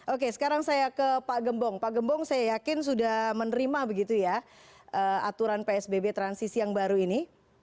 oke sekarang saya ke pak gembong pak gembong saya yakin sudah menerima begitu ya aturan psbb transisi yang baru ini